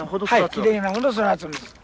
はいきれいなほど育つんです。